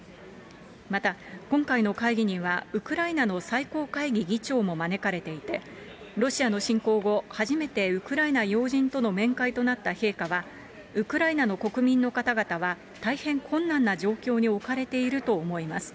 また、今回の会議にはウクライナの最高会議議長も招かれていて、ロシアの侵攻後、初めてウクライナ要人との面会となった陛下は、ウクライナの国民の方々は大変困難な状況に置かれていると思います。